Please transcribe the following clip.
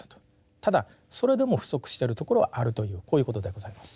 ただそれでも不足してるところはあるというこういうことでございます。